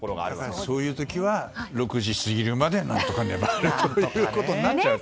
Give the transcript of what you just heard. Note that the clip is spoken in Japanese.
そういう時は６時過ぎるまで何とか粘るとかになっちゃう。